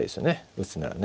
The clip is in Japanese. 打つならね。